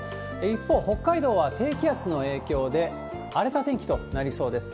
一方、北海道は低気圧の影響で、荒れた天気となりそうです。